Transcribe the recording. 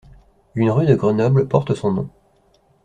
Une rue de Grenoble porte son nom.